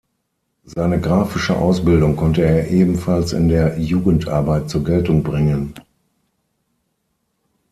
Seine grafische Ausbildung konnte er ebenfalls in der Jugendarbeit zur Geltung bringen.